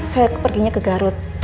saya perginya ke garut